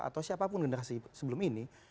atau siapapun generasi sebelum ini